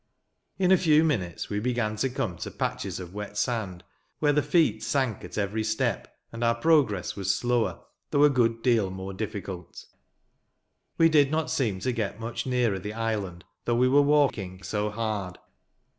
In a few minutes we began to come to patches of wet sand, where the feet sank at every step, and our progress was slower, though a good deal more difficult. We did not seem to get much nearer the island, though we were walking so hard.